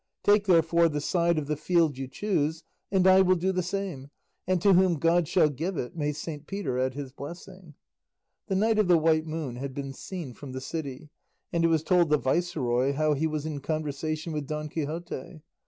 Take, therefore, the side of the field you choose, and I will do the same; and to whom God shall give it may Saint Peter add his blessing." The Knight of the White Moon had been seen from the city, and it was told the viceroy how he was in conversation with Don Quixote.